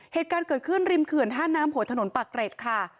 เหตุการณ์เกิดขึ้นริมเขื่อนท่าน้ำโหยถนนปากเกร็ดค่ะ